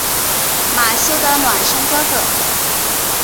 马修的孪生哥哥。